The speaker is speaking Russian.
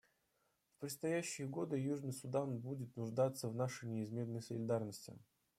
В предстоящие годы Южный Судан будет нуждаться в нашей неизменной солидарности.